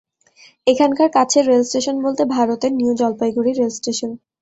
এখানকার কাছের rail station বলতে ভারত এর নিউ জলপাইগুড়ি রেলওয়ে স্টেশন।